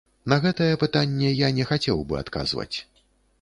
На гэтае пытанне я не хацеў бы адказваць.